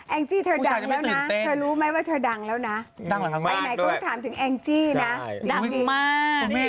จี้เธอดังแล้วนะเธอรู้ไหมว่าเธอดังแล้วนะไปไหนก็ถามถึงแองจี้นะดังมาก